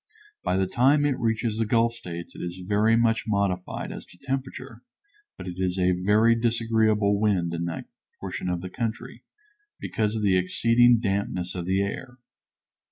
By the time it reaches the Gulf States it is very much modified as to temperature, but it is a very disagreeable wind in that portion of the country, because of the exceeding dampness of the air.